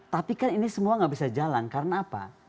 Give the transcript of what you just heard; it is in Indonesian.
tapi kan ini semua nggak bisa jalan karena apa